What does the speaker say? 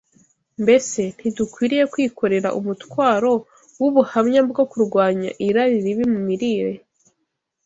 Mbese ntidukwiriye kwikorera umutwaro w’ubuhamya bwo kurwanya irari ribi mu mirire?